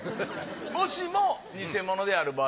もしも偽物である場合。